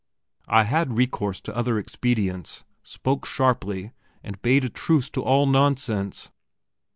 I had recourse to other expedients spoke sharply, and bade a truce to all nonsense.